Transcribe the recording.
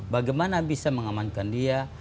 bagaimana bisa mengamankan dia